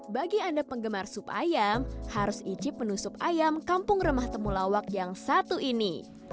bagi anda penggemar sup ayam harus icip menu sup ayam kampung remah temulawak yang satu ini